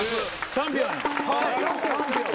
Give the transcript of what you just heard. チャンピオン。